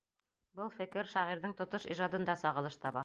Был фекер шағирҙың тотош ижадында сағылыш таба.